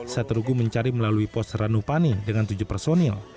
satu rugu mencari melalui pos ranupani dengan tujuh personil